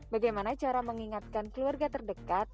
bagaimana cara mengingatkan keluarga terdekat